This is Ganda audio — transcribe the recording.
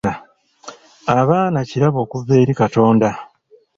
Abaana kirabo okuva eri Katonda.